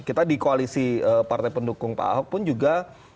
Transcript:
kita di koalisi partai pendukung pak ahok pun juga